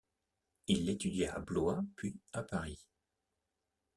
Il l'étudia à Blois, puis à Paris.